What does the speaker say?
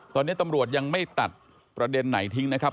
ตอนนี้ตำรวจยังไม่ตัดประเด็นไหนทิ้งนะครับ